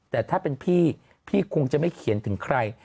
แต่ถ้าเป็นพี่พี่คงจะไม่เขียนถึงใคร